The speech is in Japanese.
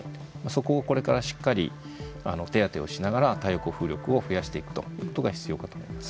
そこをこれからしっかり手当てをしながら太陽光風力を増やしていくということが必要かと思います。